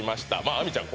亜美ちゃん